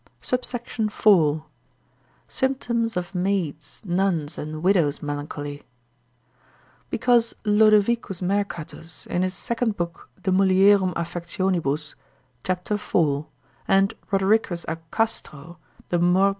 SUBSECT. IV.—Symptoms of Maids, Nuns, and Widows' Melancholy. Because Lodovicus Mercatus in his second book de mulier. affect. cap. 4. and Rodericus a Castro de morb.